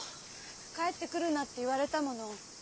帰ってくるなって言われたもの。